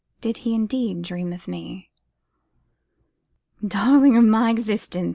Did he indeed dream of me?' 'Darling of my existence!